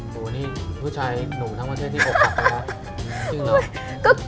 มีผู้ชายหนูทั้งประเทศที่พบกันแล้ว